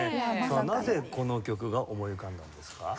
なぜこの曲が思い浮かんだんですか？